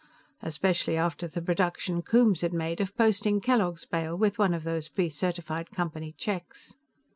Especially after the production Coombes had made of posting Kellogg's bail with one of those precertified Company checks.